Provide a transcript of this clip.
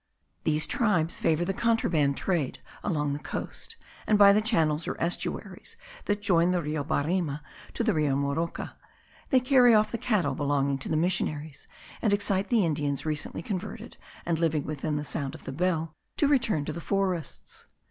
These tribes favour the contraband trade along the coast, and by the channels or estuaries that join the Rio Barima to the Rio Moroca; they carry off the cattle belonging to the missionaries, and excite the Indians recently converted, and living within the sound of the bell, to return to the forests.